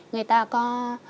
người ta có